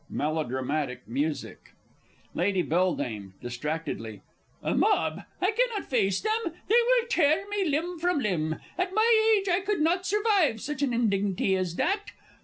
[Melodramatic music. Lady B. (distractedly). A mob! I cannot face them they will tear me limb from limb. At my age I could not survive such an indignity as that!